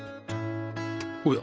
おや？